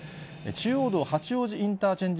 中央道八王子インターチェンジ